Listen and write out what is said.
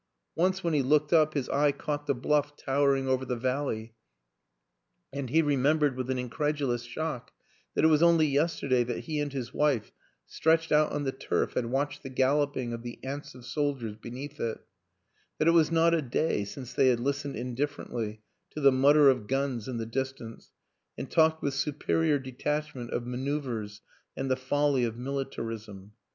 Once when he looked up his eye caught the bluff tower ing over the valley and he remembered with an incredulous shock that it was only yesterday that he and his wife, stretched out on the turf, had watched the galloping of the ants of soldiers be neath it that it was not a day since they had listened indifferently to the mutter of guns in the distance and talked with superior detachment of maneuvers and the folly of militarism.